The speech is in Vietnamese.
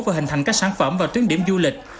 và hình thành các sản phẩm và tuyến điểm du lịch